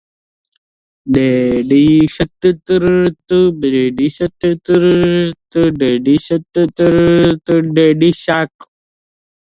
The practice of deliberately inhaling or "huffing" canned air can be fatal.